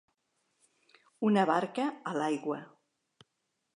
Una barca a l'aigua.